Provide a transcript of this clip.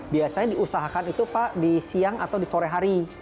biasanya diusahakan itu pak di siang atau di sore hari